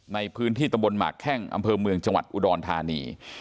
ในพื้นที่ตำบลหมากแข้งอำเภอเมืองจังหวัดอุดรธานี